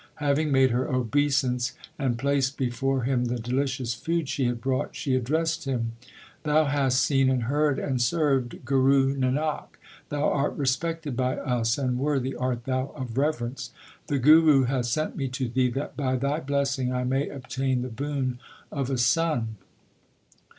Having made her obeisance and placed before him the delicious food she had brought, she addressed him : Thou hast seen and heard and served Guru Nanak. Thou art respected by us and worthy art thou of reverence. The Guru hath sent me to thee that by thy blessing I may obtain the boon of a son.